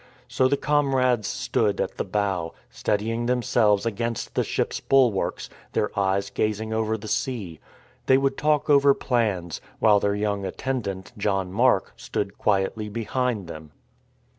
So the comrades stood at the bow, steadying themselves against the ship's bulwarks, their eyes gazing over the sea. They would talk over plans, while their young attendant, John Mark, stood quietly behind them.